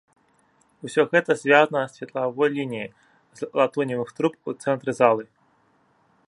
Усё гэта звязана светлавой лініяй з латуневых труб у цэнтры залы.